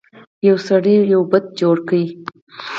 یو سړي یو بت جوړ کړ.